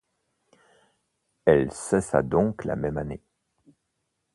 Elle cessa donc la même année.